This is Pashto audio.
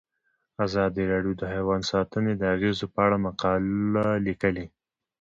ازادي راډیو د حیوان ساتنه د اغیزو په اړه مقالو لیکلي.